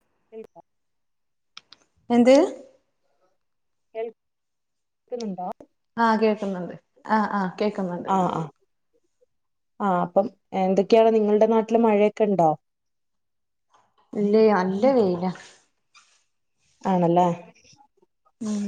[unintelligible] എന്ത് കേൾ ക്ക്നുഉണ്ടോ ആഹ് കേൾക്കുന്നുണ്ട് ആഹ് ആഹ് കേൾക്കുന്നുണ്ട് അഹ് അപ്പം എന്തൊക്കെയാണ് നിങ്ങളുടെ നാട്ടില് മഴയൊക്കെ ഉണ്ടോ ഇല്ലേ അല്ലേ വെയില ആണല്ലേ ഉം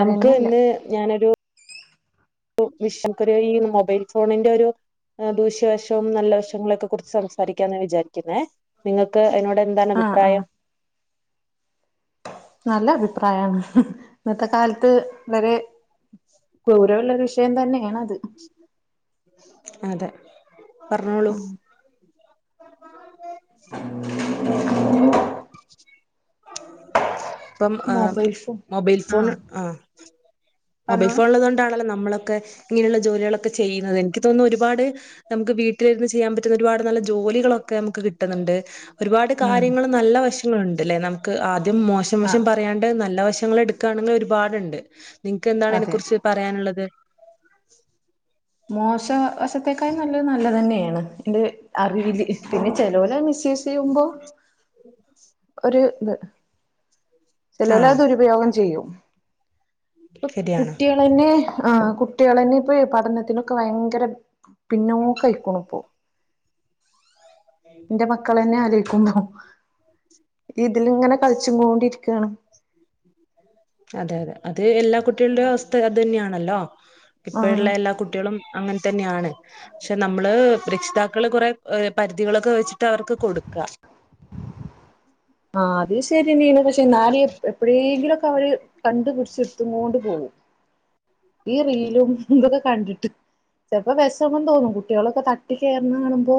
നമുക്ക് ഇന്ന് ഞാനൊരു [unintelligible] മൊബൈൽ ഫോണിന്റെ ഒരു ദൂഷ്യവശവും നല്ല വശങ്ങള ഒക്കെ കുറിച്ച് സംസാരിക്കാന്ന വിചാരിക്കുന്നേ നിങ്ങൾക്ക്എന്നോട് എന്താണ് ആഹ് ആഹ് അഭിപ്രായം നല്ല അഭിപ്രായമാണ് ഇന്നത്തെ കാലത്ത് വരെ ഗൗരവമുള്ള ഒരു വിഷയം തന്നെയാണ് അത് അതെ പറഞ്ഞോളൂ ഉം [inaudible] ഇപ്പം ആഹ് മൊബൈൽ ഫോൺ മൊബൈൽ ഫോണ് ആഹ് മൊബൈൽ പറഞ്ഞോളൂ ഫോൺള്ളത് കൊണ്ടാണല്ലോ നമ്മളൊക്കെ ഇങ്ങനെയുള്ള ജോലികളൊക്കെ ചെയ്യുന്നത് എനിക്ക് തോന്നുന്നു ഒരുപാട് നമുക്ക് വീട്ടിലിരുന്ന് ചെയ്യാൻ പറ്റുന്ന ഒരുപാട് നല്ല ജോലികളൊക്കെ നമുക്ക് കിട്ടുന്നുണ്ട് ഒരുപാട് ഉം കാര്യങ്ങളും നല്ല വശങ്ങളുണ്ട്ല്ലേ നമുക്ക് ആദ്യം മോശം പക്ഷെ ആഹ് പ പ്രയാണ്ട് നല്ല വശങ്ങള് എട്ക്കായാണെങ്കിൽ ഒരുപാടുണ്ട് നിൻക്ക് എന്താണ് അതിനെ അതെ കുറിച്ച് പറയാനുള്ളത് മോശ വശത്തേക്കായി നല്ലത് നല്ലതന്നേണ് ഇത് അറി വിധി പിന്നെ ചെലോലത് മിസ്സ്യൂസ് ചെയ്യുമ്പോ ഒരു ഇത് ചെലോൽ ആഹ് അത് ദുരുപയോഗം ചെയ്യും ഇപ്പൊ ശരിയാണ് കുട്ടികൾ ളന്നെ ആ കുട്ടികളന്നെ ഇപ്പൊ പഠനത്തിനൊക്കെ ഭയങ്കര പിന്നോക്കയിക്ക്ണുപ്പൊ [unintelligible] ഇന്റെ മക്കളന്നെ ആലോയിക്കുമ്പോ ഇതിലിങ്ങനെ കളിച്ചുങ്കോണ്ടിരിക്കാണ് അതെ അതെ അത് എല്ലാ കുട്ടികളുടെം അവസ്ഥ അതന്നേണല്ലോ ആ ഇപ്പഴുള്ള എല്ലാ കുട്ടികളും അങ്ങനെ തന്നെയാണ് പക്ഷെ നമ്മള് രക്ഷിതാക്കള് കുറെ ഏഹ് പരിധികളൊക്കെ വെച്ചിട്ട അവർക്ക് കൊടുക്കാ ആഹ് അത് ശെരിയന്നേണ് പക്ഷെ എന്നാലും എപ്പഴേങ്കിലും ഒക്കെ അവര് കണ്ടു പിടിച്ച്ട്ത്ത്ങ്കോണ്ട് പോവും ഈ റീലും ഇതൊക്കെ കണ്ടിട്ട് ചെലപ്പോ വെഷമം തോന്നും കുട്ടിയേളൊക്കെ തട്ടി കെയറ്ന്ന കാണുമ്പോ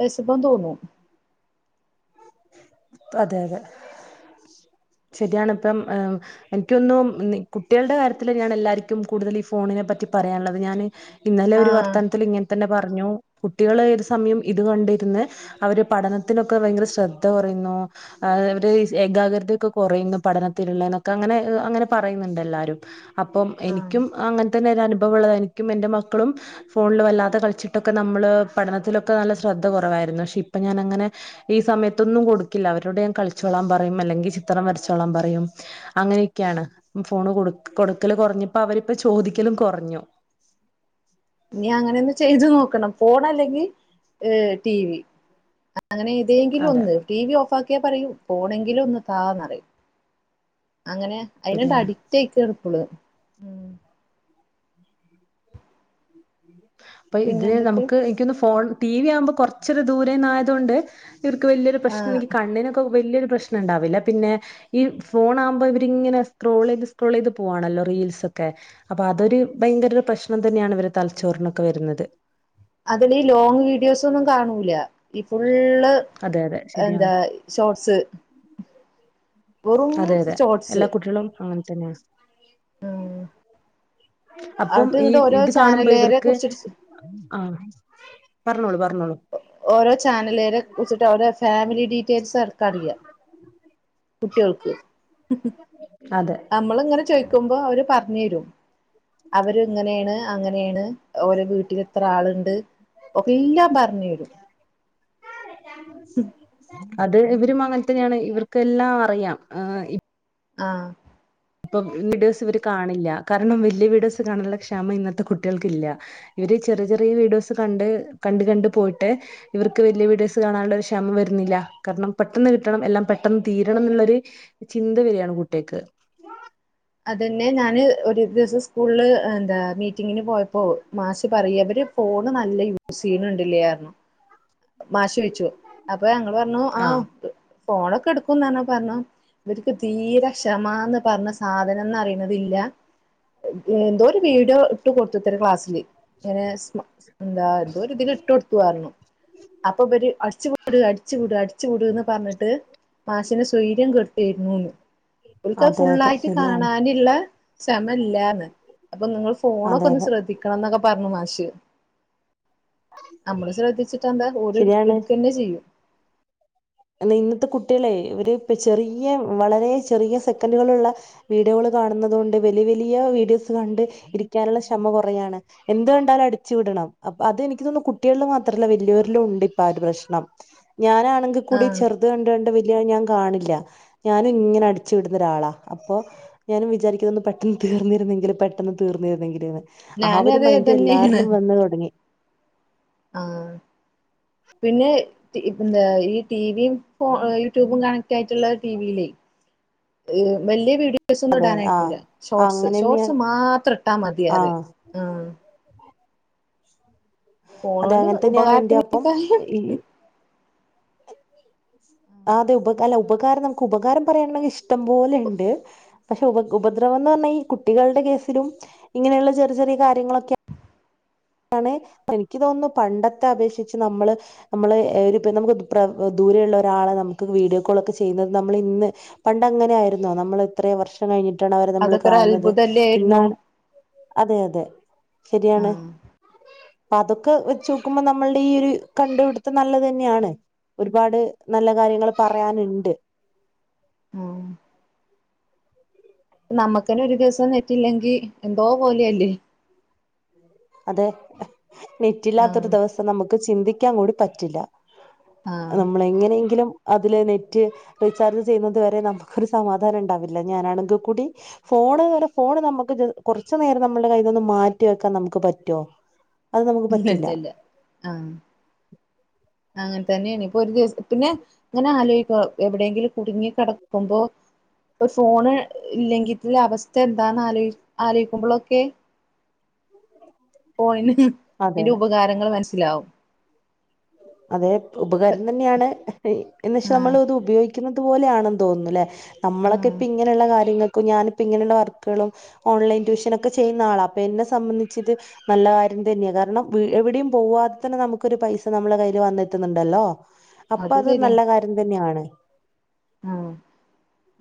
വെഷമം തോന്നും അതെ അതെ ശരിയാണ് ഇപ്പം ആഹ് എനിക്കൊന്നും ഇന്ന് കുട്ടികളുടെ കാര്യത്തില് ഞാൻ എല്ലാർക്കും കൂടുതൽ ഈ ഫോണിനെ പറ്റി പറയാനുള്ളത് ഞാന് ഇന്നലെ ആ ഒരു വർത്താനത്തില് ഇങ്ങൻ തന്നെ പറഞ്ഞു കുട്ടികള് ഏത് സമയും ഇത് കണ്ടിരുന്ന് അവര് പഠനത്തിനൊക്കെ ഭയങ്കര ശ്രദ്ധ കുറയുന്നു അവര് ഏകാഗ്രതയൊക്കെ കൊറയുന്നു പഠനത്തിലുള്ള എന്നൊക്കെ അങ്ങനെ അങ്ങനെ പറയുന്നുണ്ട് എല്ലാരും അപ്പം ആ എനിക്കും അങ്ങൻ തന്നെ ഒരു അനുഭവം ഉള്ളത് എനിക്കും എന്റെ മക്കളും ഫോണില് വല്ലാതെ കളിച്ചിട്ടൊക്കെ നമ്മള് പഠനത്തിലൊക്കെ നല്ല ശ്രദ്ധ കുറവായിരുന്നു പക്ഷെ ഇപ്പൊ ഞാനങ്ങനെ ഈ സമയത്തൊന്നും കൊടുക്കില്ല അവരോട് ഞാൻ കളിച്ചോളാൻ പറയും അല്ലെങ്കിൽ ചിത്രം വരച്ചോളാൻ പറയും അങ്ങനെയൊക്കെയാണ് ഫോണ് കൊടു കൊടുക്കല് കൊറഞ്ഞപ്പോ അവരിപ്പ ചോദിക്കലും കൊറഞ്ഞു ഇനി അങ്ങനെ ഒന്ന് ചെയ്ത് നോക്കണം ഫോൺ അല്ലെങ്കിൽ ഏഹ് ടി വി അങ്ങനെ എന്തേങ്കിലും അതെ ഒന്ന് ടി വി ഓഫ് ഓഫാക്കിയ പറയും ഫോണെങ്കിലും ഒന്ന് താ ന്നറയും അങ്ങനെ അയിനണ്ട് ശരിയാണ് അഡി ക്റ്റയിക്ക്ണ് ഇപ്പള് അപ്പൊ പിന്നെ ഇതില് എന്തൊക്കെ നമുക്ക് എനിക്കോൻന്ന് ഫോൺ ടി വി ആവുമ്പോ കൊറച്ച് ഒര് ദൂരെന്ന് ആയത്‌ കൊണ്ട് ഇവർക്ക് വല്ല്യൊരു ആ പ്രശ്നെങ്കി കണ്ണിനൊക്ക വല്ല്യൊരു പ്രശ്നം ഉണ്ടാവില്ല പിന്നെ ഈ ഫോൺ ആകുമ്പോ ഇവരിങ്ങനെ സ്ക്രോളെയ്ത് സ്ക്രോളെയ്ത് പോവാണല്ലോ റീൽസ് ഒക്കെ അപ്പൊ അതൊരു ഭയങ്കര പ്രശ്നം തന്നെയാണ് ഇവരെ തലച്ചോറിനൊക്കെ വരുന്നത് അതില് ഈ ലോങ്ങ് വീഡിയോസ് ഒന്നും കാണൂല ഈ ഫുള്ള് അതെ അതെ ശരിയാണ് എന്താ ഷോർട്സ് വെറും ഷോർട്സ് അങ്ങൻ തന്നെയ ഉം അപ്പം അട്ട് ഈ ഇങ്ങട്ട് ഓരോ ഇത് കാണുമ്പോ ചാനലേരെ ഇവർക്ക് കുറിച്ചിട്ട് ആ പറഞ്ഞോളൂ പറഞ്ഞോളൂ ഓരോ ചാനലരെ കുറിച്ചിട്ട് അവടെ ഫാമിലി ഡീറ്റെയിൽസ് വരെ അവർക്ക് അറിയാം കുട്ടികൾക്ക് അതെ [inaudible] നമ്മൾങ്ങനെ ചോയ്ക്കുമ്പോ അവര് പറഞ്ഞു തരും അവര്ങ്ങനെയാണ് അങ്ങനെയാണ് ഓരോ വീട്ടിൽ ഇത്ര ആളുണ്ട് ഒകെ എല്ലാം പറഞ്ഞ് തരും [unintelligible] അത് ഇവരും അങ്ങനെത്തന്നെയാണ് ഇവർക്ക്ല്ലാം അറിയാം ആഹ് ആഹ് ഇപ്പൊ വീഡിയോസ് ഇവര് കാണില്ല കാരണം വല്യ വീഡിയോസ് കാണാനുള്ള ക്ഷമ ഇന്നത്തെ കുട്ടികൾക്കില്ല ഇവര് ചെറിയ ചെറിയ വീഡിയോസ് കണ്ട് കണ്ട് കണ്ട് പോയിട്ട് ഇവർക്ക് വലിയ വീഡിയോസ് കാണാനുള്ള ഒരു ക്ഷമ വരുന്നില്ല കാരണം പെട്ടെന്ന് കിട്ടണം എല്ലാം പെട്ടെന്ന് തീരണം എന്നുള്ളൊരു ചിന്ത വരിയാണ് കുട്ടികക്ക് അതെന്നെ ഞാന് ഒരു ദിവസം സ്കൂളില് എന്താ മീറ്റിങ്ങിന് പോയപ്പോൾ മാഷ് പറയ ഫോണ് നല്ല യൂസ് ചെയ്യുന്നുണ്ട് അല്ലേ എന്ന് പറഞ്ഞു മാഷ് ചോദിച്ചു അപ്പൊ ഞങ്ങള് പറഞ്ഞു ആ ആഹ് ഫോണൊക്കെ എടുക്കും എന്ന് പറഞ്ഞപ്പോൾ പറഞ്ഞു ഇവർക്ക് തീരെ ക്ഷമ എന്ന് പറഞ്ഞ സാധനം എന്ന അറിയണതില്ല എന്തോ ഒരു വീഡിയോ ഇട്ട് കൊടുത്തു അത്ര ക്ലാസ്സില് ഇങ്ങനെ എന്താ എന്തോ ഒരു ഇത് ഇട്ട് കൊടുത്തുരുന്നു അപ്പൊ ഇവര് അടിച്ച വിടു അടിച്ചു വിടു അടിച്ചു വിട് എന്ന് പറഞ്ഞിട്ട് മാഷിനെ സ്വൈര്യം കടുത്തിരുന്നുന്ന് ഇവർക്ക് അതെ ഫുൾ അതെ ആയിട്ട് ശരിയാണ് കാണാനുള്ള ക്ഷമ ഇല്ലന്ന് അപ്പൊ നിങ്ങൾ ഫോണൊക്കെ അതെ ഒന്ന് അതെ ശ്രദ്ധിക്ക ണം എന്നൊക്കെ പറഞ്ഞു മാശ് നമ്മള് ശ്രദ്ധിച്ചിട്ട ശ്രദ്ധിച്ചാൽ എന്താ ഒരു ശരിയാണ് എടുക്ക തന്നെ ചെയ്യും ആഹ് ഇന്നത്തെ കുട്ടികളെ ഇപ്പ ചെറിയ വളരെ ചെറിയ സെക്കൻഡുകളുള്ള വീഡിയോകള് കാണുന്നത് കൊണ്ട് വലിയ വലിയ വീഡിയോസ് കണ്ട് ഇരിക്കാനുള്ള ക്ഷമ കുറയാണ് എന്ത് കണ്ടാലും അടിച്ചു വിടണം ആഹ് അത് എനിക്ക് തോന്നുന്നു കുട്ടികളിൽ മാത്രല്ല വലിയോരിലും ഉണ്ട് ഇപ്പൊ ആ ഒരു പ്രശ്നം ഞാനാണെങ്കിൽ കൂടി ആഹ് ചെറു ത് കണ്ട് കണ്ട് വലിയ ഞാൻ കാണില്ല ഞാനും ഇങ്ങനെ അടിച്ചു വിടുന്ന ഒരാളാ അപ്പൊ ഞാനും വിചാരിക്കുന്ന ഒന്ന് പെട്ടെന്ന് തീർന്നരുന്നെങ്കില് പെട്ടെന്ന് തീർന്നിരുന്നെങ്കിലിൽ എന്നാണ് ആ ഞാനും ഒരു അതെ മൈൻഡ് തന്നെയാണ് എല്ലാരിലും വന്ന് തുടങ്ങി ആഹ് പിന്നെ ന്താ ഈ ടി വി യൂട്യൂബും കണക്ട് ആയിട്ടുള്ള ടി വിയില വലിയ വീഡിയോ വലിയ വീഡിയോസ് ഒന്നും അതെ ഇടാൻ അതെ ആ അയക്കൂല്ല ഷോർട്സ് ഷോർട്സ് അങ്ങനെന്നെയാണ് മാത്രം ഇട്ടാ മതി എന്നു ആ പറയും അതെ ഫോണോണ്ട് അങ്ങനെ തന്നെയാണ് എന്റെ അപ്പം ഉപകാരത്തിനേക്കായും ഈ ആ അതെ ഉപ അല്ല ഉപകാരം നമുക്ക് ഉപകാരം പറയയാണെങ്കിൽ നമുക്ക് ഇഷ്ടം പോലെ ഉണ്ട് പക്ഷെ ഉപ ഉപദ്രവം എന്ന് പറഞ്ഞാൽ ഈ കുട്ടികളുടെ കേസിലും ഇങ്ങനെയുള്ള ചെറിയ ചെറിയ കാര്യങ്ങളൊക്കെ ആണെ എനിക്ക് തോന്നുന്നു പണ്ടത്തെ അപേക്ഷിച്ച് നമ്മള് നമ്മള് നമുക്ക് ദൂരെയ ഉള്ള ഒരാളെ നമുക്ക് വീഡിയോ കോൾ ഒക്കെ ചെയ്യുന്നത് നമ്മൾ ഇന്ന് പണ്ട് അങ്ങനെ ആയിരുന്നോ നമ്മൾ എത്ര വർഷം കഴിഞ്ഞിട്ടാണ് അവരെ നമ്മൾ അതൊക്കെ ഒരു കാണുന്നത് അത്ഭുതല്ലേ ആയിരുന്നു ഇന്നാണ് അതെ അതെ ശരിയാണ് ആഹ് അപ്പൊ അതൊക്കെ വെച്ച് നോക്കുമ്പോ നമ്മളുടെ ഈ ഒരു കണ്ടുപിടുത്തം നല്ലത് തന്നെയാണ് ഒരുപാട് നല്ല കാര്യങ്ങൾ പറയാനുണ്ട് ഉം ഇപ്പ നമ്മുക്കന്നെ ഒരു ദിവസം നെറ്റില്ലെങ്കിൽ എന്തോ പോലെയല്ലേ അതെ ആഹ് നെറ്റില്ലാത്തൊരു ദിവസം നമുക്ക് ചിന്തിക്കാൻ കൂടി പറ്റില്ല ആഹ് നമ്മള് എങ്ങനെയെങ്കിലും അതില് നെറ്റ് റീചാർജ് ചെയ്യുന്നത് വരെ നമുക്കൊരു സമാധാനം എണ്ടാവില്ല ഞാനാണെങ്കി കൂടി ഫോണ് വേറെ ഫോണ് നമ്മക്ക് ജ കൊറച്ചു നേരം നമ്മൾടെ കയ്യീന്നൊന്ന് മാറ്റി വെക്കാൻ നമുക്ക് പറ്റോ ഇല്ലല്ലല്ല ആഹ് അങ്ങൻതന്നേണ് ഇപ്പൊ ഒരു ദിവസം പിന്നേ ഇങ്ങനെ ആലോയിക്കും എവിടെയെങ്കിലും കുടുങ്ങി കെടക്കുമ്പോ ഒര് ഫോണ് ഇല്ലെങ്കിത്ത അവസ്ഥ എന്താന്ന് ആലോയ് ആലോയ്ക്കുമ്പളൊക്കെ ഫോണിന് അതെ അയ്ന്റെ അതെ ഉപകാരങ്ങള് മനസ്സിലാവും അതെ ഉപകാരം തന്നെയാണ് എന്നിച്ച ആഹ് നമ്മള് അത് ഉപയോ ക്കുന്നത് പോലെയാണെന്ന് തോന്നുന്നു ഇല്ലേ നമ്മളൊക്കെ ആഹ് ഇപ്പ ഇങ്ങനെയുള്ള കാര്യങ്ങക്കും ഞാനിപ്പ ഇങ്ങനെയുള്ള വർക്കുകളും ഓൺലൈൻ ട്യൂഷനൊക്കെ ചെയ്യുന്ന ആളാ അപ്പൊ എന്നെ സംബന്ധിച്ചിത് നല്ല കാര്യം തന്നെയാ കാരണം വീ എവിടെയും പോവാതെ തന്നെ നമുക്കൊരു പൈസ നമ്മള കയ്യില് വന്നെത്ത്ന്ന്ണ്ടല്ലോ അപ്പൊ അത് നല്ല കാര്യം തന്നെയാണ്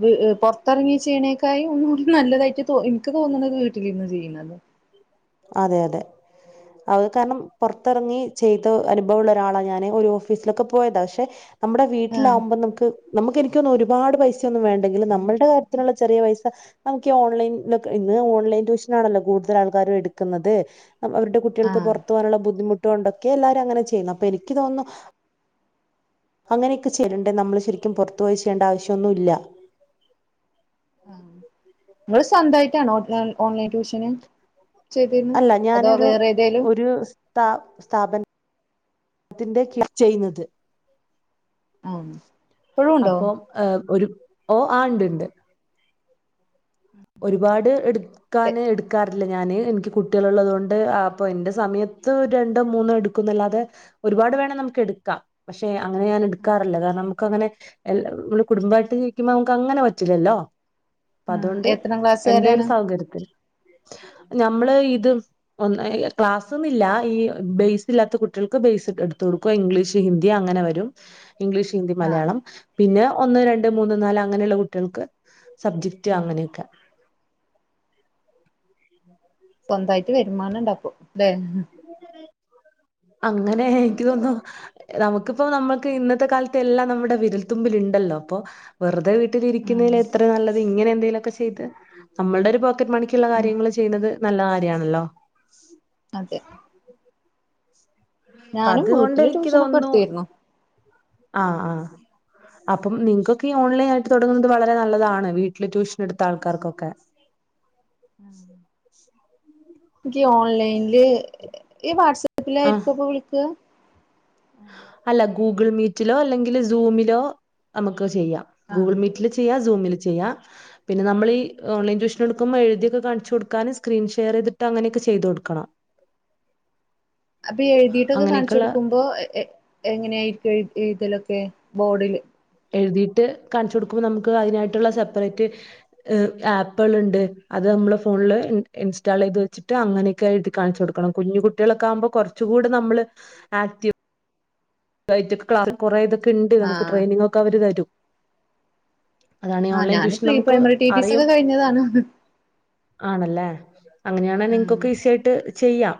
വീ പൊർത്തറങ്ങി ചെയ്യണേക്കായും ഒന്നുകൂടി നല്ലതായിട്ട് തോ ഇൻക്ക് തോന്നണത് വീട്ടിലിരിന്ന് ചെയ്യ്ണതാ അതെ അതെ അത് കാരണം പൊറത്തിറങ്ങി ചെയ്ത അനുഭവ ഉള്ള ഒരാളാ ഞാന് ഒരു ഓഫീസിലൊക്കെ പോയതാ പക്ഷെ നമ്മടെ ആഹ് വീട്ടിലാവുമ്പോ നമുക്ക് നമക്ക് എനിക്ക്തോന്നു ഒരുപാട് പൈസ ഒന്നും വേണ്ടെങ്കിലും നമ്മൾടെ കാര്യത്തിനുള്ള ചെറിയ പൈസ നമുക്ക് ഈ ഓൺലൈൻ ഇന്ന് ഓൺലൈൻ ടൂഷനാണല്ലോ കൂടുതൽ ആൾക്കാരും എടു ക്കുന്നത് അപ്പൊ അവരുടെ കുട്ടികൾക്ക് ആഹ് പൊർ ത്ത് പോവാനുള്ള ബുദ്ധിമുട്ടുകൊണ്ടൊക്കെ എല്ലാരും അങ്ങനെ ചെയ്യുന്നു അപ്പൊ എനിക്ക് തോന്നുന്നു അങ്ങനെയൊക്കെ ചെയ്യല്ണ്ട് നമ്മള് ശരിക്കും പൊർത്ത് പോയി ചെയ്യണ്ട ആവശ്യം ഒന്നുവില്ല ആഹ് ഇങ്ങള് സൊന്തായിട്ടാണോ [unintelligible] ഓൺലൈൻ ട്യൂഷന് ചെയ്തിര്ന്ന് അതോ വേറെ ഏതേലും ഒരൂ സ്താ സ്ഥാപനത്തിന്റെ കിഴ് ചെയ്യുന്നത് ആഹ് ഇപ്പഴും ഉണ്ടോ ആഹ് ഒരു ഓഹ് ആഹ് ഇണ്ടിണ്ട് ഒരുപാട് എട്ക്കാന് എട്ക്കാ റില്ല ഞാന് എനിക്ക് കുട്ട്യോളുള്ളത് കൊണ്ട് അപ്പൊ എന്റെ സമയത്ത് രണ്ടോ മൂന്നോ എടുക്കൂന്നല്ലാതെ ഒരുപാട് വേണം നമുക്ക് എടുക്കാം പക്ഷെ അങ്ങനെ ഞാൻ എടുക്കാറില്ല കാരണം നമുക്കങ്ങനെ എല്ല നമ്മള് കുടുംബായിട്ട് ജിവിക്കുമ്പൊ നമുക്ക് അങ്ങനെ പറ്റില്ലല്ലോ അപ്പൊ ആഹ് അതുകൊണ്ട് എത്രാം ക്ലാസ്സ്കാരാണ് [unintelligible] നമ്മള് ഇത് ഒന്ന് ക്ലാസ്സൊന്നും ഇല്ല ഈ ബെയ്സ് ഇല്ലാത്ത കുട്ടികൾക്ക് ബെയ്സൊക്കെ എടുത്ത് കൊടു ക്വ ഇപ്പൊ ഇംഗ്ലീഷ് ഹിന്ദി അങ്ങനെ വരും ഇംഗ്ലീഷ് ഹിന്ദി ആഹ് മലയാളം പിന്നെ ഒന്ന് രണ്ട് മൂന്ന് നാല് അങ്ങനെയുള്ള കുട്ടികൾക്ക് സബ്ജക്റ്റ് ഉം അങ്ങനെയൊക്കെ സ്വന്തായിട്ട് വരുമാനം ഇണ്ടാക്കും ഇല്ലെ അങ്ങനേ എനിക്ക് തോന്നു നമുക്കിപ്പോ നമ്മുക്ക് ഇന്നത്തെ കാലത്തെ എല്ലാം നമ്മടെ വിരൽത്തുമ്പിലിണ്ടല്ലോ അപ്പൊ വെറുതെ ആഹ് വീട്ടിലിരിക്കുന്നയ്ല് എത്ര നല്ലത് ഇങ്ങനെ എന്തേലൊക്കെ ചെയ്ത് നമ്മൾടൊരു പോക്കറ്റ് മണി‌ക്കിള്ള ഉം കാര്യങ്ങള് ചെയ്യ്ണത് നല്ല കാര്യാണല്ലോ അതെ അപ്പൊ ഞാനും അതുകൊണ്ട് വീട്ടില് എനിക്ക് ട്യൂഷനൊക്കെ തോന്നുന്നു എടുത്തിരുന്നു ആ, ഹാ അപ്പം നിങ്ങക്കൊക്കെയോ ഓൺലൈൻ ആയിട്ട് തുടങ്ങുന്നത് വളരെ നല്ലതാണ് വീട്ടില് ട്യൂഷൻ എടുത്ത ആൾക്കാർക്കൊക്കെ [inaudible] എനിക്ക് ഓൺലൈനിൽ ഈ ആഹ് വാട്സആപ്പിലായിരിക്കോ ഇ പ്പൊ വിളിക്ക അല്ല ഗൂഗിൾ മീറ്റിലോ അല്ലെങ്കിൽ സൂ മിലോ നമക്കത് ചെയ്യാം ആഹ് ഗൂഗിൾ മീറ്റില് ചെയ്യ സൂമില് ചെയ്യാ പിന്നെ നമ്മളീ ഓൺലൈൻ ട്യൂഷന് എട്ക്കുമ്പോ എഴുതിയക്കെ കാണ്ചൊട്ക്കാന് സ്ക്രീൻഷെയർ ചെയ്തിട്ടങ്ങനെക്കെ ചെയ്തൊട്കാ അപ്പൊ എഴുതീതൊക്കെ കാണ്ചൊട് അങ്ങനെയൊക്കെയുള്ള ക്കുമ്പോ എഎ എങ്ങനായിരിക്കും എയ്‌ എയ്‌തലൊക്കെ ബോർഡില് എഴുതീട്ട് കാണ്ചൊട്ക്കുമ്പോ നമുക്ക് അതിനായിട്ടുള്ള സപ്പ്റേറ്റ് ആപ്പ്കള്ണ്ട് അത് നമ്മള് ഫോണ്ല് ഇൻ ഇൻസ്റ്റാളെയ്ത് വെച്ട്ട് അങ്ങനെ ക്കെ കാണ്ചൊട്ക്കണം കുഞ്ഞു കുട്ട്യാളൊക്കെ ആകുമ്പോ കൊറ്ച് കൂടെ നമ്മള് ആക്ട്ടീ [unintelligible] ക്ലാസ്സ് കുറെ ഇതൊക്കെണ്ട് നമുക്ക് ആഹ് ട്രെയിനിങ്ങൊക്കെ അവര് തരും അതാണ് ഈ ആഹ് ഓൺലൈൻ ഞാന് ട്യൂഷൻ പ്രീ നമുക്ക് പ്രൈമറി ടി ടി സി അറിയും ഒക്കെ കഴിഞ്ഞതാണ് ആണല്ലേ അങ്ങനെയാണെ ആഹ് നിങ്ങക്കൊക്കെ ഈസി ആയിട്ട് ചെയ്യാം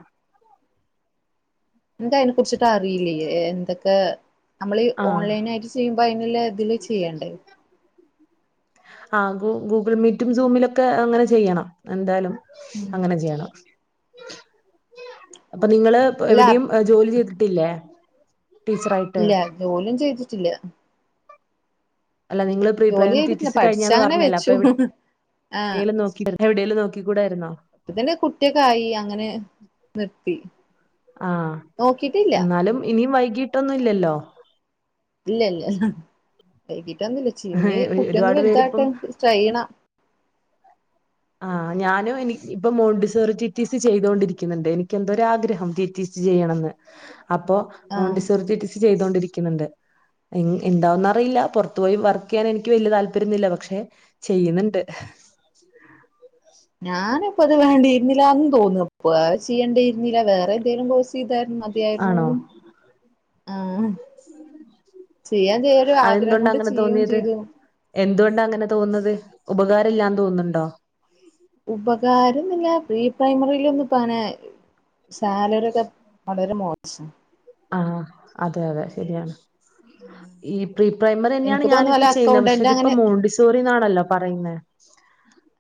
ഇന്ക്ക് അയിനെ കുർച്ട്ട് അറീല്ലേ എ എന്തൊക്കെ നമ്മള് ഈ ആഹ് ഓൺലൈൻ ആയിട്ട് ചെയ്യുമ്പോ അയ്ന്ള്ളത് ല് ചെയ്യണ്ടേ ആഹ് ഗൂ ഗൂഗിൾ മീറ്റും സൂമിലൊക്കെ അങ്ങനെ ചെയ്യണം എന്താലും ഉം അങ്ങനെ ചെയ്യണം അപ്പൊ നിങ്ങള് അല്ല എവിടിം അ ജോലി ചെയ്തിട്ടില്ലേ ടീച്ചറായിട്ട് ജോലിന്നും ചെയ്തിട്ടില്ല അല്ല നിങ്ങൾ പ്രീ ജോലി പ്രൈമറി ചെയ്തിട്ടില്ല ടിടിസി കഴിഞ്ഞാന്ന് പഠിച്ചങ്ങനെ പറഞ്ഞില്ലേ അപ്പ വെച്ചു എവ്ടെ ആഹ് എന്തേലും നോക്കിയായിരു എവിടേലും നോക്കി കൂടായിരുന്നോ അപ്പതന്നെ കുട്ടി ഒക്കെ ആയി അങ്ങനെ നിർത്തി ആഹ് നോക്കിട്ടില്ല എന്നാലും ഇനിയും വൈകിട്ടൊന്നും ഇല്ലല്ലോ ഇല്ലല്ല വൈകിട്ടൊന്നുല്ല ച് ഞ്ഞി കുട്ടിഒന്ന് ഒരുപാട് വലുതാവട്ടേ പേരിപ്പം ന്ന്ട്ട് ട്രൈയ്യണം ആഹ് ഞാനും ഇനി ഇപ്പം മോണ്ടിസോറി ടിടിസി ചെയ്തോണ്ടിരിക്കുന്നുണ്ട് എനിക്ക് എന്തോരു ആഗ്രഹം ടി ടി ചെയ്യണന്ന് അപ്പൊ ആഹ് മോണ്ടി സോറി ടിടിസി ചെയ്തൊണ്ടിരിക്കുന്നുണ്ട് ഇൻ ഇൻണ്ടാവൊന്നറിയില്ല പൊർത്തു പോയി വർക്കയ്യാൻ എന്ക്ക് വല്യ താല്പര്യൊന്നുമില്ല പക്ഷെ ചെയ്യ്ന്ന്ണ്ട് ഞാനിപ്പത് വേണ്ടിന്നില്ലാന്ന് തോന്നും വേറെ ചെയ്യണ്ടേര്ന്നില്ല വേറെ എന്തേലും കോഴ്സ് ചെയ്താ ആണോ മതിയായിരുന്നുന്ന് ആഹ് ചെയ്യാൻ ചേരു ആഗ്രഹം കൊണ്ട് ചെയും ചെയ്തു എന്തോണ്ടാ അങ്ങനെ തോന്നത് ഉപകാരല്ലാന്ന് തോന്നുന്നുണ്ടോ ഉപകാരംന്നില്ലാ പ്രീ പ്രൈമറിലൊന്നും പ്പങ്ങനെ സാലറി ഒക്കെ വളരെ മോശം ആഹ് അതെ അതെ ശരിയാണ് ഈ പ്രീ പ്രൈമറിന്നെയാണ് എനിക്ക് തോന്നുന്നു വല്ല ഞാനിപ്പ ചെയ്യ്ന്നെ പക്ഷെ അക്കൗണ്ടന്റ് ഇതിപ്പോ മോണ്ടിസോറിന്നാണല്ലോ പറയുന്നെ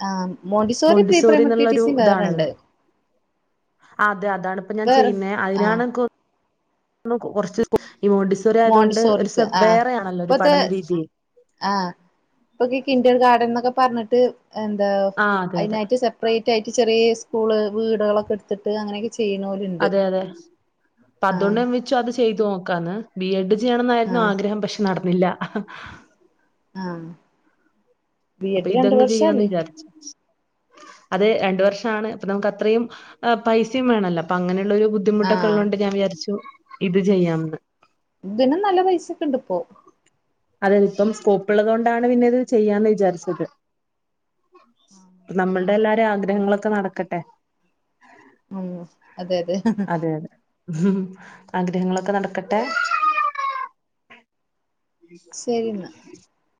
ആഹ് മോണ്ടിസോറിം പ്രീ പ്രൈമറി ടി ടി മോണ്ടിസോറിന്നുള്ളൊരു സി ഇതാണല്ലോ വേറണ്ട് അതെ അതാണ് ഇപ്പ ഞാൻ ചെയ്യുന്നേ ആ അതിനാണ്ന്കൊ ന്നും കൊറ്ച് ഈ മോണ്ടിസോറി ആയതോണ്ട് മോണ്ടിസോറിക്ക് ഒര്സം വേറെയാണല്ലോ ഒരു പഠന രീതി ആഹ് ഇപ്പൊകി കിന്റർ ഗാർഡൻ എന്നൊക്കെ പർഞ്ട്ട് എന്താ ആ അതെ അതെ അതിനതിനായിട്ട് സെ സപ്പറേറ്റ് ആയിട്ട് ചെിറിയ സ്കൂൾ വീടാളൊക്കെ ഇട്ത്ത്ട്ട് അങ്ങനെക്കെ അതെ അതെ ആ പതോണ്ടമി ചൊ അത് ചെയ്ത് നോക്കാന്ന് ബി എഡ് ചെയ്യണം ആ ന്നായിരുന്നു ആഗ്രഹം പക്ഷെ നടന്നില്ല ആഹ് അപ്പയിതങ്ങ് ചെയ്യാന്ന് വിജാര്ച്ച് അത് രണ്ട് വർഷാണ് അപ്പ നമക്ക് അത്രയും ഏഹ് പൈസിം വേണല്ലോ അപ്പ അങ്ങനെള്ളൊരു ബുദ്ധി ആ ബുദ്ധിമുട്ടൊക്കൊള്ളോണ്ട് ഞാൻ വിചാരിച്ചു ഇത് ചെയ്യാംന്ന് ഇതിനും നല്ല പൈസക്കെണ്ട്പ്പോ അതന്നെ ഇപ്പം സ്കോപ്പ്ള്ളതോണ്ടാണ് പിന്നെ ഇത് ചെയ്യാന്ന് വിചാരിച്ചത് അപ്പം നമ്മൾടെ എല്ലാരെ ആഗ്രഹങ്ങളൊക്കെ നടക്കട്ടെ ഉം അതെ അതെ ഉം ആഗ്രഹങ്ങളൊക്കെ നടക്കട്ടെ ശരിന്നാ